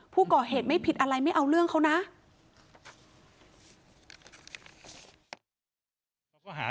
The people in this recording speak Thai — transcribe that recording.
ผู้ก่อเหตุไม่ผิดอะไรไม่เอาเรื่องเขานะ